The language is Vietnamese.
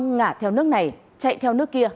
ngả theo nước này chạy theo nước kia